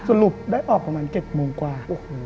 สรุปได้ออกประมาณ๗โมงกว่า